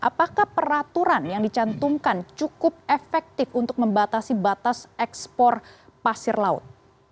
apakah peraturan yang dicantumkan cukup efektif untuk membatasi batas ekspor pasir laut